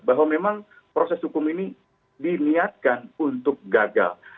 bahwa memang proses hukum ini diniatkan untuk gagal